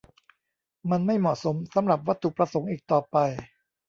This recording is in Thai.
มันไม่เหมาะสมสำหรับวัตถุประสงค์อีกต่อไป